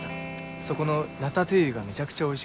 そこのラタトゥイユがめちゃくちゃおいしくて。